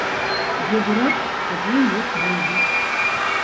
Дзе бурак, а дзе і мех бульбы.